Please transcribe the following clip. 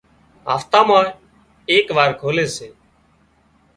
هفتا مان ايڪ وار کولي سي